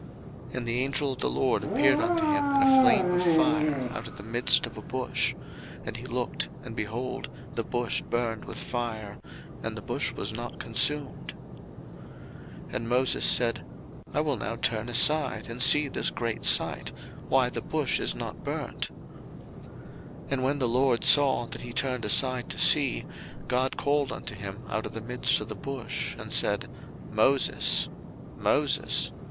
02:003:002 And the angel of the LORD appeared unto him in a flame of fire out of the midst of a bush: and he looked, and, behold, the bush burned with fire, and the bush was not consumed. 02:003:003 And Moses said, I will now turn aside, and see this great sight, why the bush is not burnt. 02:003:004 And when the LORD saw that he turned aside to see, God called unto him out of the midst of the bush, and said, Moses, Moses.